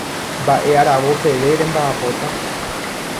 Mba'e aravo peve remba'apóta.